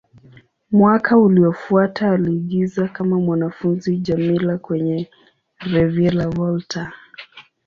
Mwaka uliofuata, aliigiza kama mwanafunzi Djamila kwenye "Reviravolta".